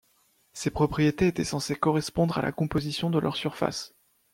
Ces propriétés étaient censées correspondre à la composition de leur surface.